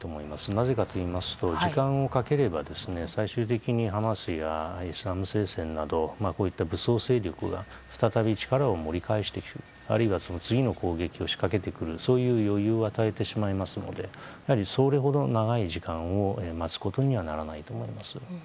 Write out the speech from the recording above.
なぜかといいますと時間をかければ最終的にハマスやイスラム聖戦など武装勢力が再び力を盛り返してくるあるいは次の攻撃を仕掛けてくるそういう余裕を与えてしまいますのでそれほど長い時間を待つことにはならないと思います。